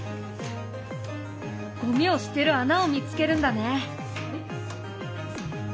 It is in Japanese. ゴミを捨てる穴を見つけるんだね。